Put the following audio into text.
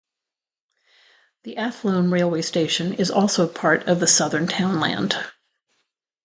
The Athlone railway station is also part of the southern townland.